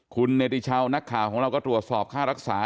คุณเนติชาวนักข่าวของเราก็ตรวจสอบค่ารักษา